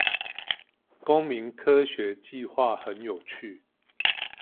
公民科學計畫很有趣